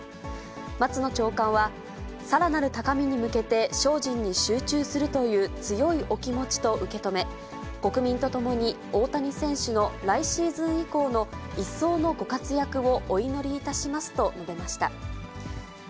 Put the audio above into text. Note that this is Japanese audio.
松野長官は、さらなる高みに向けて精進に集中するという強いお気持ちと受け止め、国民とともに大谷選手の来シーズン以降の一層のご活躍をお祈りいたしますと伸べました。